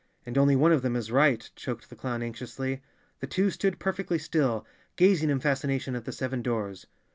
"And only one of them right," choked the clown anx¬ iously. The two stood perfectly still, gazing in fascina¬ tion at the seven doors.